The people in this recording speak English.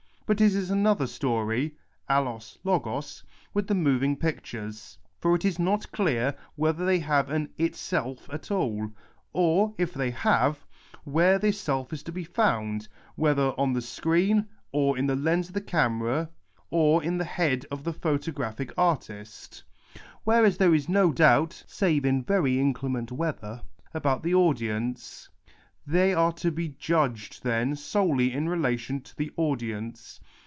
But it is another story (aAXo? XJyo?) with the moving pictures. For it is not clear whether they have an 'itself at all, or, if they have, where this self is to be found, whether on the screen, f>r in the lens of the camera, AX ARISTOTELIAN FRAGMENT or in tlie head of the photographic artist. Whereas there is no doubt (save in very inclement weather) about tlic audience. They are to be judged, then, solely in relation to the audience.